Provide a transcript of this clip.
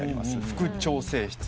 副調整室。